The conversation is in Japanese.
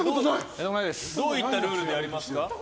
どういったルールでやりますか？